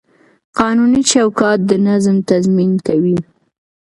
قانوني چوکاټ د نظم تضمین کوي.